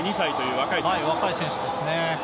若い選手ですね。